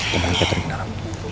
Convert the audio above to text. yaudah gak apa apa